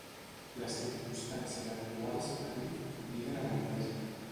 Les circumstàncies actuals –ha dit– ‘obliguen a l’entesa’.